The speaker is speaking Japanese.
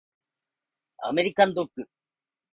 アメリカンドッグ